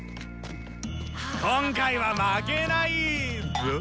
今回は負けないぞ。